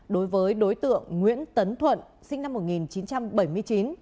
đối với đối tượng nguyễn tấn thuận sinh năm một nghìn chín trăm bảy mươi chín